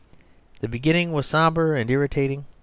The beginning was sombre and irritating.